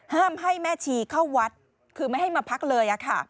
ห้ามให้แม่ชีเข้าวัดคือไม่ให้มาพักเลย